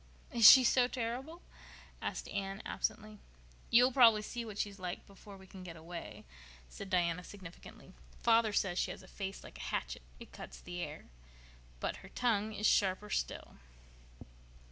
"Is she so terrible?" asked Anne absently. "You'll probably see what she's like before we can get away," said Diana significantly. "Father says she has a face like a hatchet—it cuts the air. But her tongue is sharper still."